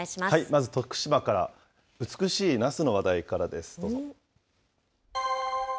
まず徳島から、美しいナスの話題からです、どうぞ。